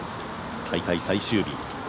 大会最終日。